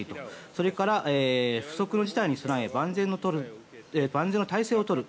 それから不測の事態に備え万全の態勢を取る。